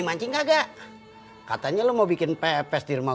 mancing kagak katanya lu mau bikin pepes di rumah